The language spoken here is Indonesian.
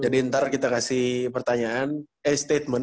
jadi ntar kita kasih pertanyaan eh statement